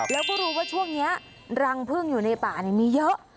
แล้วก็รู้ว่าช่วงนี้รังพึ่งอยู่ในป่ามีเยอะ